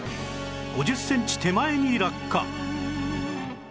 ５０センチ手前に落下